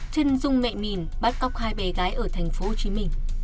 trân dung mẹ mìn bắt cóc hai bé gái ở tp hcm